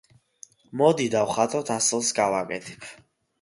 მოდი, დავხატოთ ... ასლს გავაკეთებ.